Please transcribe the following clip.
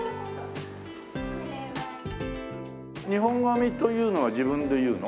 日本髪というのは自分で結うの？